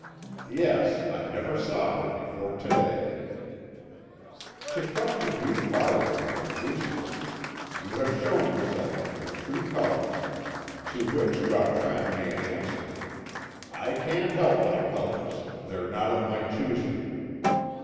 "Yes; I never saw her before to day." "To question you farther would be useless. You have shown yourself in your true colours." To which Gautran made answer: "I can't help my colours. They're not of my choosing."